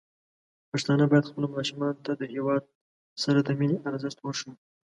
پښتانه بايد خپل ماشومان ته د هيواد سره د مينې ارزښت وښيي.